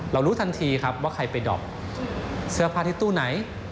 รู้ทันทีครับว่าใครไปดอบเสื้อผ้าที่ตู้ไหน